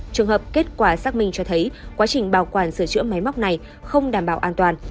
trường hợp kết quả xác minh cho thấy quá trình bảo quản sửa chữa máy móc này không đảm bảo an toàn